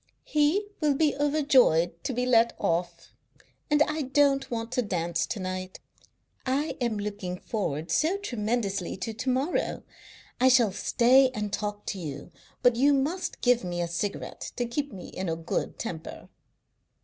He will be overjoyed to be let off. And I don't want to dance to night. I am looking forward so tremendously to to morrow. I shall stay and talk to you, but you must give me a cigarette to keep me in a good temper."